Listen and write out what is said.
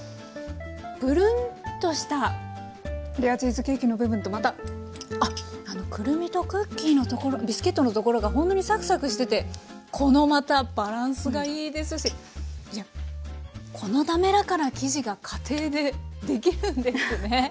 プルンッとしたレアチーズケーキの部分とまたくるみとクッキーのビスケットのところがほんとにサクサクしててこのまたバランスがいいですしこの滑らかな生地が家庭でできるんですね。